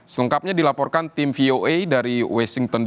selengkapnya dilaporkan tim voa dari washington dc